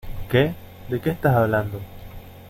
¿ Qué? ¿ de qué estás hablando ?